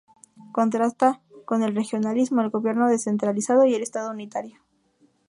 Contrasta con el regionalismo, el gobierno centralizado y el Estado unitario.